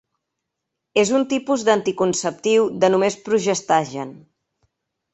És un tipus d'anticonceptiu de només progestagen.